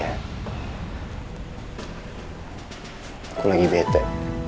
aku lagi bete